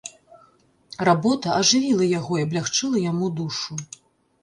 Работа ажывіла яго і аблягчыла яму душу.